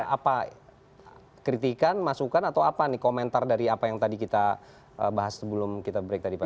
apa kritikan masukan atau apa nih komentar dari apa yang tadi kita bahas sebelum kita break tadi pak